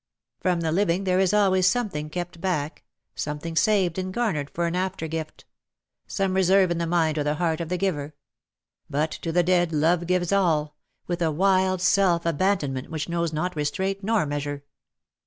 From the living there is always something kept back — something saved and garnered for an after gift — some reserve in the mind or the heart of the giver; but to the dead love gives all — with a wild self abandonment which knows not restraint or measure.